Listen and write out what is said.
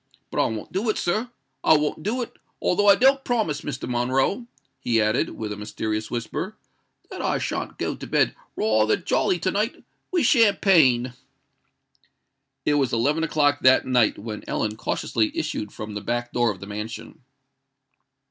But I won't do it, sir—I won't do it; although I don't promise, Mr. Monroe," he added, in a mysterious whisper, "that I shan't go to bed rayther jolly to night with champagne." It was eleven o'clock that night when Ellen cautiously issued from the back door of the mansion.